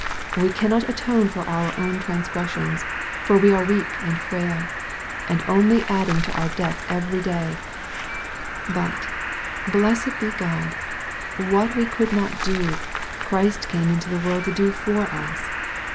We cannot atone for our own transgressions, for we are weak and frail, and only adding to^our debts every day But, blessed be God 1 what we could not do, Christ came into the world to do for us.